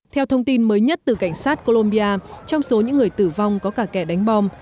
theo thông tin mới nhất từ cảnh sát colombia trong số những người tử vong có cả kẻ đánh bom